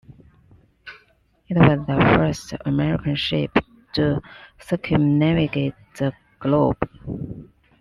It was the first American ship to circumnavigate the globe.